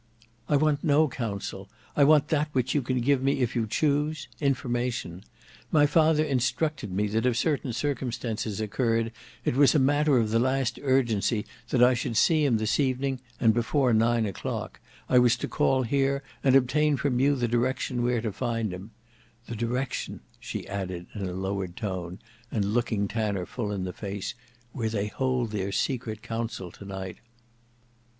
"I want no counsel; I want that which you can give me if you choose—information. My father instructed me that if certain circumstances occurred it was a matter of the last urgency that I should see him this evening and before nine o'clock, I was to call here and obtain from you the direction where to find him; the direction," she added in a lowered tone, and looking Tanner full in the face, "where they hold their secret council to night."